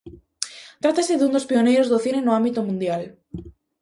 Trátase dun dos pioneiros do cine no ámbito mundial.